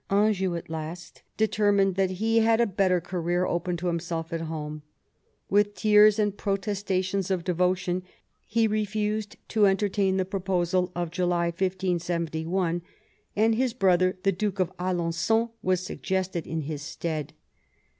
Anjou, at last, determined that he had a better career open to himself at home. With tears and protestations of devotion he refused to entertain the proposal in July, 1571, and his brother, the Duke of Alen9on, was suggested in his stead.